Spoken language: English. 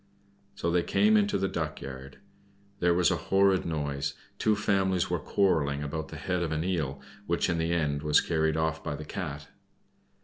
So they came into the duck yard. There was a horrid noise; two families were quarreling about the head of an eel, which in the end was carried off by the Cat.